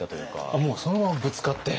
あっもうそのままぶつかって。